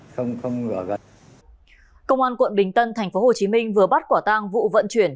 công an quận bình tân tp hcm vừa bắt quả tang vụ vận chuyển